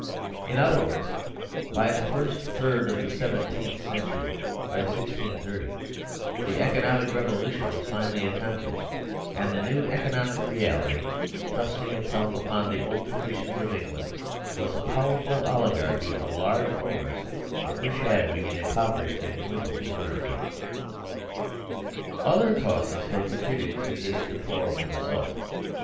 In other words, by the first third of the seventeenth century, by 1630 40, the economic revolution was finally accomplished, and the new economic reality thrusting itself upon the old traditions of England was a powerful oligarchy of largeowners overshadow ing an impoverished and dwindled monarchy. Othercauses had contributed to this deplorable re sult.